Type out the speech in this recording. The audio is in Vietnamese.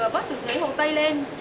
bớt từ dưới hồ tây lên